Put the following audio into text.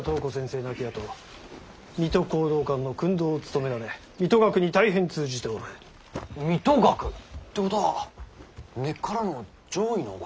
亡きあと水戸弘道館の訓導を務められ水戸学に大変通じておられる。水戸学？ということは根っからの攘夷のお考えでは。